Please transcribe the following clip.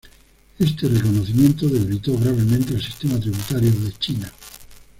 Este reconocimiento debilitó gravemente el sistema tributario de China.